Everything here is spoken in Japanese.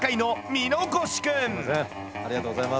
ありがとうございます。